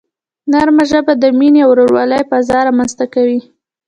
نرمه ژبه د مینې او ورورولۍ فضا رامنځته کوي.